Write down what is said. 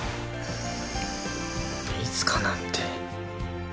いつかなんて。